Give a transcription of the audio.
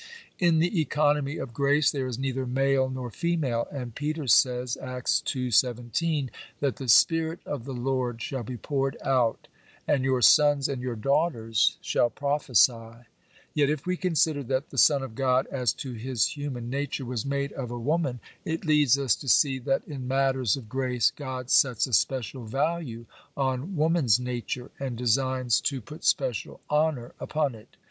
In the economy of grace there is neither male nor female; and Peter says (Acts ii. 17) that the Spirit of the Lord shall be poured out, and your sons and your daughters shall prophesy. Yet, if we consider that the Son of God, as to His human nature, was made of a woman, it leads us to see that in matters of grace God sets a special value on woman's nature and designs to put special honour upon it.